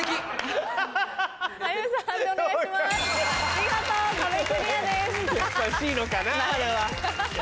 見事壁クリアです。